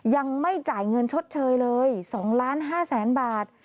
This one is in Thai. ยังไม่จ่ายเงินชดเชยเลย๒๕๐๐๐๐๐บาท